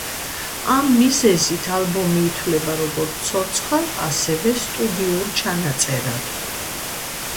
ამ მიზეზით ალბომი ითვლება როგორც ცოცხალ, ასევე სტუდიურ ჩანაწერად.